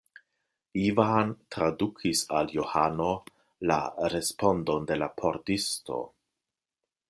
Ivan tradukis al Johano la respondon de la pordisto.